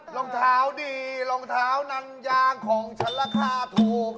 รองเท้าดีรองเท้านางยางของฉันราคาถูก